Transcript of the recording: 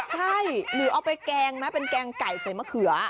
ใช่หรือเอาไปแกงไหมเป็นแกงไก่ใส่มะเขือ